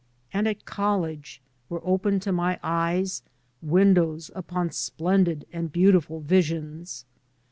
And at college were opened to my eyes windows upon splendid and beautiful visions.